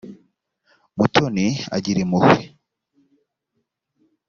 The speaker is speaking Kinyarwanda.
mutoni agira impuhwe .